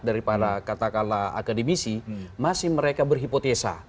dari para katakanlah akademisi masih mereka berhipotesa